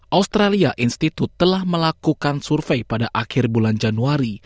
australia institute telah melakukan survei pada akhir bulan januari